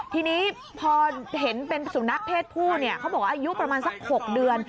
ทีนี้พอเห็นเป็นสุนัขเพศผู้เนี่ยเขาบอกว่าอายุประมาณสัก๖เดือน